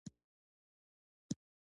د ژبې لپاره مېړانه پکار ده.